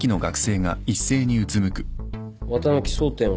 綿貫争点は？